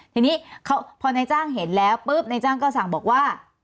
ทีนี้พอนายจ้างเห็นแล้วปุ๊บนายจ้างก็สั่งบอกว่า